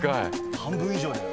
半分以上だよ。